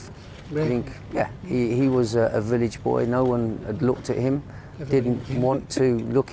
dia adalah anak anak di wilayah tidak ada yang melihatnya tidak ingin melihatnya